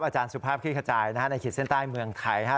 อาจารย์สุภาพคลี่ขจายนะฮะในขีดเส้นใต้เมืองไทยฮะ